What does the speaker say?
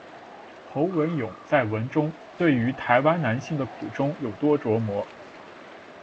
侯文咏在文中对于台湾男性的苦衷有多琢磨。